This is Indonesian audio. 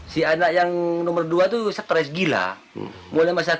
ketika dia berada di desa